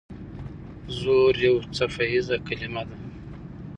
زور یو څپیزه کلمه ده.